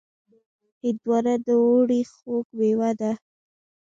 هندوانه د اوړي خوږ مېوه ده.